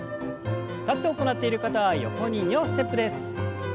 立って行っている方は横に２歩ステップです。